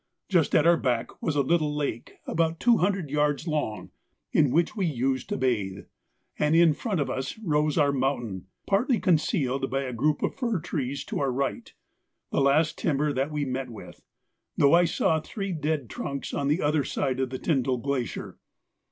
Just at our back was a little lake about two hundred yards long, in which we used to bathe, and in front of us rose our mountain, partly concealed by a group of fir trees to our right, the last timber that we met with, though I saw three dead trunks on the other side of the Tyndall Glacier.